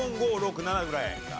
４５６７ぐらいが。